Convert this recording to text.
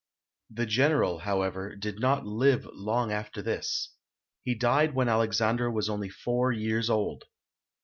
The general, however, did not live long after this. He died when Alexandre was only four years old.